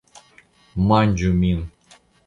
Manĝu Min.